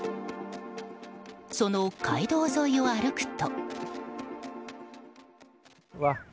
その街道沿いを歩くと。